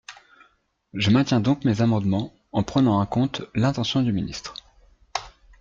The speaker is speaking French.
Je maintiens donc mes amendement, en prenant en compte l’intention du ministre.